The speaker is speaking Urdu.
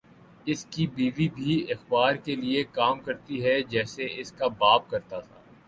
اس کی بیوی بھِی اخبار کے لیے کام کرتی ہے جیسے اس کا باپ کرتا تھا